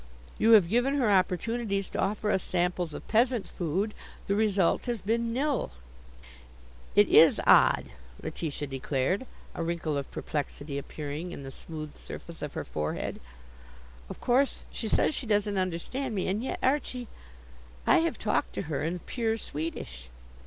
You have given her opportunities to offer us samples of peasant food. The result has been nil." "It is odd," Letitia declared, a wrinkle of perplexity appearing in the smooth surface of her forehead. "Of course, she says she doesn't understand me. And yet, Archie, I have talked to her in pure Swedish."